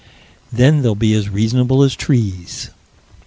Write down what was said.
Then they'll be as reasonable as trees.